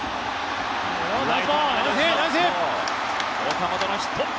岡本のヒット。